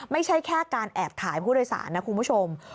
ไม่ใช่แค่การแอบถ่ายผู้โดยสารนะคุณผู้ชม